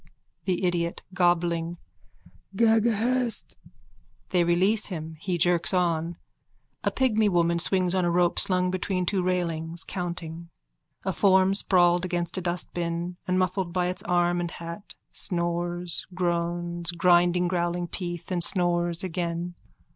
THE IDIOT: (Gobbling.) Ghaghahest. _(They release him. He jerks on. A pigmy woman swings on a rope slung between two railings, counting. A form sprawled against a dustbin and muffled by its arm and hat snores, groans, grinding growling teeth, and snores again.